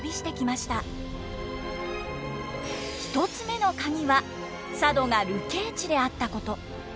１つ目のカギは佐渡が流刑地であったこと。